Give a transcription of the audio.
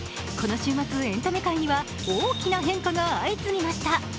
この週末、エンタメ界には大きな変化が相次ぎました。